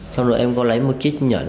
xong rồi em có lấy một chiếc nhẫn